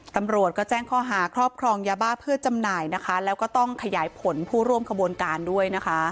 ตำรวจก็แจ้งข้อหาครอบครองยาบ้าเพื่อจำหน่ายนะคะแล้วก็ต้องขยายผลผู้ร่วมขบวนการด้วยนะคะ